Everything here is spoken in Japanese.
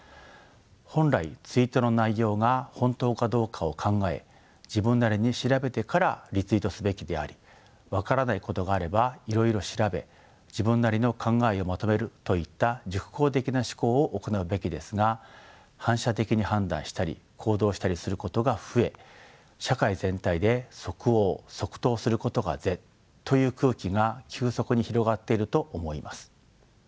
本来ツイートの内容が本当かどうかを考え自分なりに調べてからリツイートすべきであり分からないことがあればいろいろ調べ自分なりの考えをまとめるといった熟考的な思考を行うべきですが反射的に判断したり行動したりすることが増え社会全体で即応即答することが是という空気が急速に広がっていると思います。